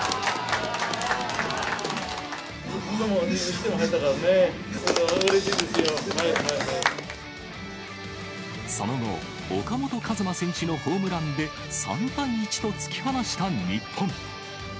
１点入ったからね、うれしいその後、岡本和真選手のホームランで、３対１と突き放した日本。